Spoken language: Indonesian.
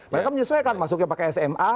mereka menyesuaikan masuknya pakai sma